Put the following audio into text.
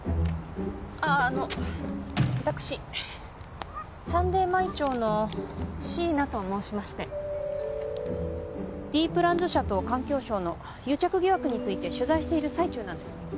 あああの私サンデー毎朝の椎名と申しましてＤプランズ社と環境省の癒着疑惑について取材している最中なんです